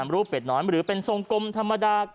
รูปเป็ดน้อยหรือเป็นทรงกลมธรรมดา